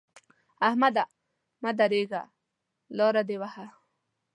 احمده! مه درېږه؛ لاره دې وهه.